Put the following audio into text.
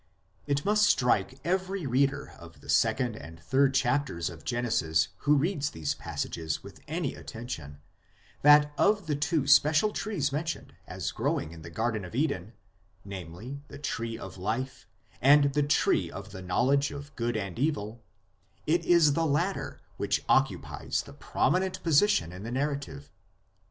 It must strike every reader of the second and third chapters of Genesis who reads these passages with any attention that of the two special trees mentioned as growing in the Garden of Eden, namely the Tree of Life and the Tree of the Knowledge of Good and Evil, it is the latter which occupies the prominent position in the narrative.